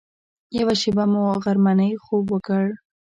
یوه شېبه مو غرمنۍ خوب وکړ.